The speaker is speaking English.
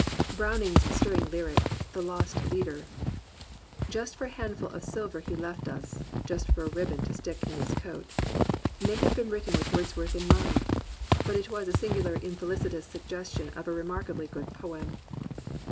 Browning's stirring lyric, The Lost Leader, — "Just for a handful of silver he left us. Just for a ribbon to stick in his coat,*' — may have been written with Wordsworth in mind, but it was a singularly infehcitous suggestion of a remarkably good poem.